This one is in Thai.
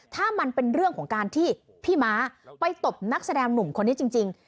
ถ้ามันเป็นเรื่องของการที่พี่ม้าไปตบนักแสดงหนุ่มคนนี้จริง